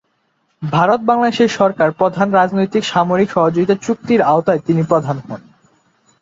ভারত-বাংলাদেশের সরকার প্রধানদের রাজনৈতিক-সামরিক সহযোগীতা চুক্তির আওতায় তিনি প্রধান হন।